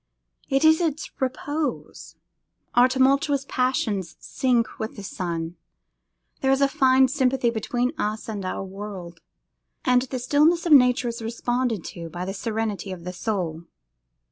It is its repose. Our tumultuous passions sink with the sun, there is a fine sympathy between us and our world, and the stillness of Nature is responded to by the serenity of the soul.